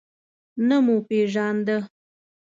نه مو پیژانده.